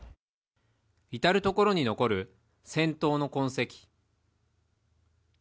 いたるところに残る戦闘の痕跡。